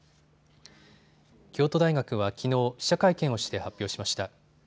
京都大学はきのう記者会見をして発表しました。